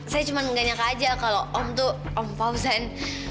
saya cuma mengganyak aja kalau om tuh om fauzan